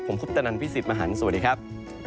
ผมคุณพุทธนันทร์พี่สิบมหันต์สวัสดีครับ